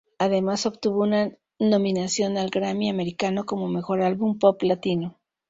Además obtuvo una nominación al Grammy americano como "Mejor álbum pop latino".